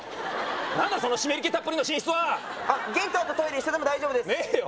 何だその湿り気たっぷりの寝室は玄関とトイレ一緒でも大丈夫ですねえよ！